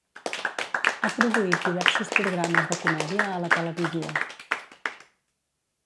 Ha produït diversos programes de comèdia a la televisió.